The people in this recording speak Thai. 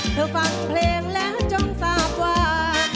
เธอฝากเพลงและจงทราบว่า